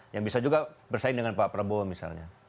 yang bisa juga bersaing dengan pak prabowo misalnya